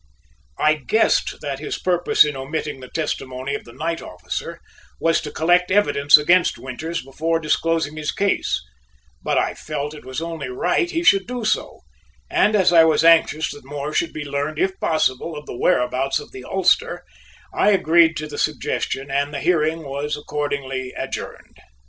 I guessed that his purpose in omitting the testimony of the night officer was to collect evidence against Winters before disclosing his case, but I felt it was only right he should do so and as I was anxious that more should be learned if possible of the whereabouts of the ulster, I agreed to the suggestion and the hearing was accordingly adjourned.